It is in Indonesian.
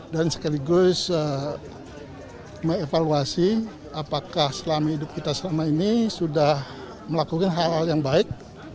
dan sekaligus me evaluasi apakah selama hidup kita selama ini sudah melakukan hal hal yang baik